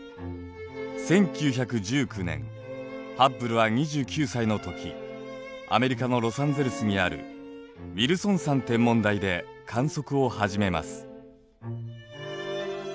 １９１９年ハッブルは２９歳のときアメリカのロサンゼルスにあるウィルソン山天文台で観測をはじめます。